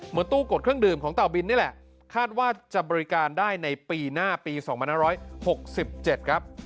ตู้กดเครื่องดื่มของเต่าบินนี่แหละคาดว่าจะบริการได้ในปีหน้าปี๒๕๖๗ครับ